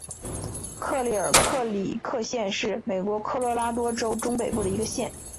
克利尔克里克县是美国科罗拉多州中北部的一个县。